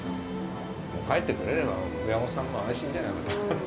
帰ってくれば親御さんも安心じゃない。